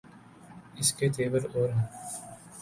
اس کے تیور اور ہیں۔